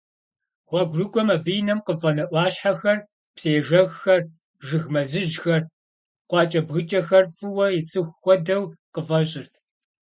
Гъуэгурыкӏуэм абы и нэм къыфӏэнэ ӏуащхьэхэр, псыежэххэр, жыгей мэзыжьхэр, къуакӏэбгыкӏэхэр фӏыуэ ицӏыху хуэдэу къыфӏэщӏырт.